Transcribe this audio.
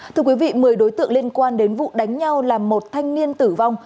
thưa quý vị một mươi đối tượng liên quan đến vụ đánh nhau là một thanh niên tử vong